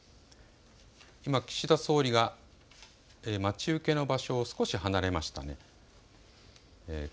今、岸田総理が、今、中継の場所を少し離れましたね。